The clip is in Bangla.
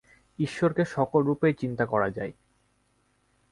ঈশ্বরকে সকল রূপেই চিন্তা করা যায়।